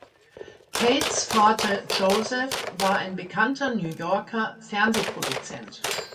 Cates Vater Joseph war ein bekannter New Yorker Fernsehproduzent.